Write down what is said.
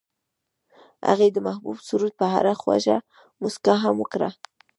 هغې د محبوب سرود په اړه خوږه موسکا هم وکړه.